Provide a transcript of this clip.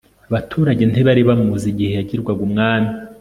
abaturage ntibari bamuzi igihe yagirwaga umwami